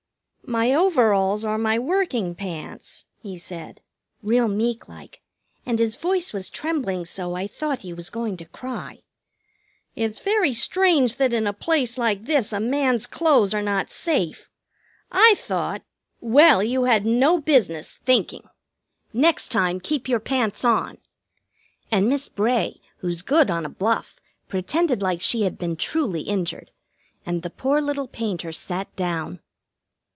"My overalls are my working pants," he said, real meek like, and his voice was trembling so I thought he was going to cry. "It's very strange that in a place like this a man's clothes are not safe. I thought " "Well, you had no business thinking. Next time keep your pants on." And Miss Bray, who's good on a bluff, pretended like she had been truly injured, and the poor little painter sat down.